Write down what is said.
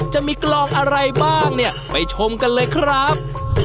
จะมีกลองอะไรบ้างเนี่ยไปชมกันเลยครับ